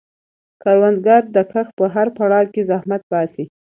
کروندګر د کښت په هر پړاو کې زحمت باسي